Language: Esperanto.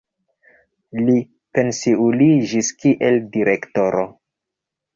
Li pensiuliĝis kiel direktoro.